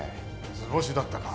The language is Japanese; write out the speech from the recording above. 図星だったか。